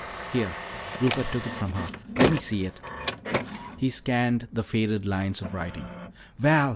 "Here," Rupert took it from her, "let me see it." He scanned the faded lines of writing. "Val!